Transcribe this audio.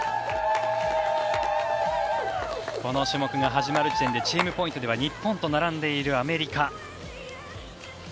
この種目が始まる時点でチームポイントでは日本と並んでいるアメリカ。